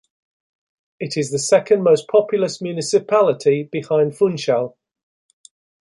It is the second most populous municipality, behind Funchal.